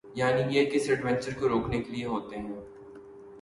یعنی یہ کسی ایڈونچر کو روکنے کے لئے ہوتے ہیں۔